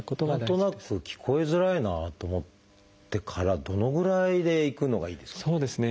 何となく聞こえづらいなと思ってからどのぐらいで行くのがいいですかね。